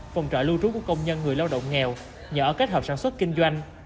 phòng trọ lưu trú của công nhân người lao động nghèo nhỏ kết hợp sản xuất kinh doanh